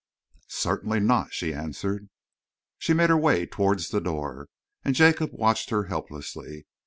"Certainly not," she answered. She made her way towards the door, and Jacob watched her helplessly.